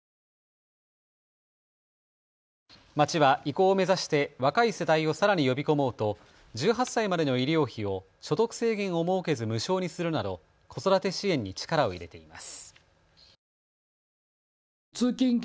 町は移行を目指して若い世代をさらに呼び込もうと１８歳までの医療費を所得制限を設けず無償にするなど子育て支援に力を入れています。